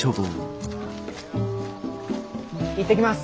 行ってきます。